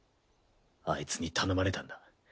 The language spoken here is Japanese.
アイツに頼まれたんだ。